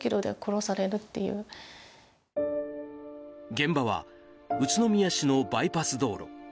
現場は宇都宮市のバイパス道路。